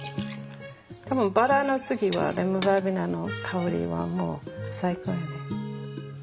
多分バラの次はレモンバーベナの香りはもう最高よね。